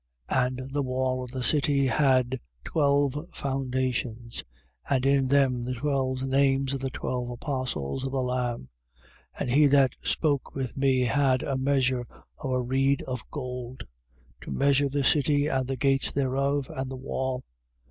21:14. And the wall of the city had twelve foundations: And in them, the twelve names of the twelve apostles of the Lamb, 21:15. And he that spoke with me had a measure of a reed of gold, to measure the city and the gates thereof and the wall.